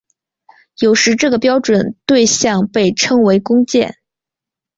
有时这个标准对像被称为工件。